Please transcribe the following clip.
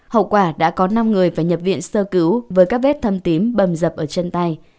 hậu quả đã có năm người phải nhập viện sơ cứu với các vết thâm tím bầm dập ở chân tay